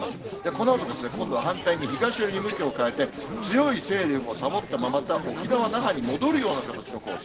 このあとですね、今度は反対に東寄りに向きを変えて、強い勢力を保ったまま、また沖縄・那覇に戻るような形のコース。